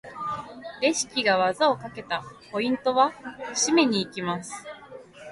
レシキが技をかけた！ポイントは？締めに行きます！